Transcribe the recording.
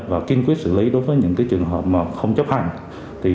và kiên quyết xử lý đối với những trường hợp không chấp hành